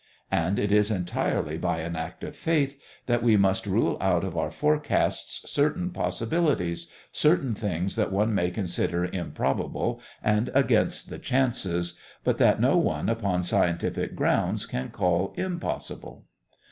And it is entirely by an act of faith that we must rule out of our forecasts certain possibilities, certain things that one may consider improbable and against the chances, but that no one upon scientific grounds can call impossible.